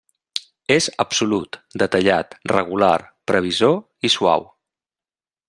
És absolut, detallat, regular, previsor i suau.